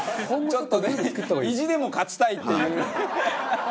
ちょっとね意地でも勝ちたいっていう。